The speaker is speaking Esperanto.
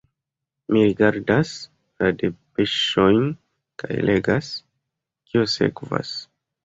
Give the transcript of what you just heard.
Mi rigardas la depeŝojn kaj legas, kio sekvas.